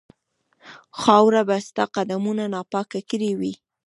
خاوره به ستا قدمونو ناپاکه کړې وي.